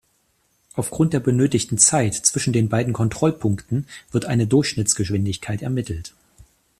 Aufgrund der benötigten Zeit zwischen den beiden Kontrollpunkten wird eine Durchschnittsgeschwindigkeit ermittelt.